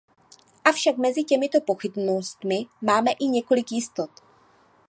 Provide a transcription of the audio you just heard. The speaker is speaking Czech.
Avšak mezi těmito pochybnostmi máme i několik jistot.